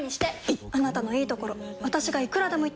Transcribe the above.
いっあなたのいいところ私がいくらでも言ってあげる！